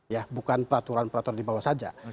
ya bukan peraturan peraturan di bawah saja